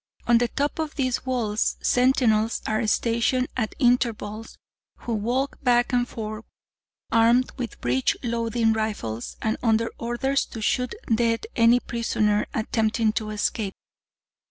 "On the top of these walls, sentinels are stationed at intervals, who walk back and forth, armed with breech loading rifles, and under orders to shoot dead any prisoner attempting to escape.